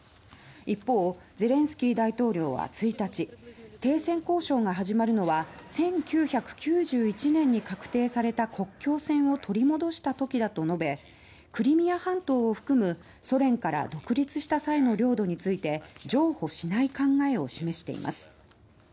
一方、ゼレンスキー大統領は１日停戦交渉が始まるのは１９９１年に画定された国境線を取り戻したときだと述べクリミア半島を含むソ連から独立した際の領土について譲歩しない考えを示しています。